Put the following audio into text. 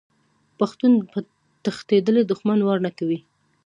پښتون په تښتیدلي دښمن وار نه کوي.